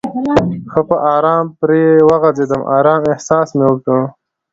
ښه په آرامه پرې وغځېدم، آرامه احساس مې وکړ.